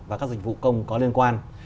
và các dịch vụ công có liên quan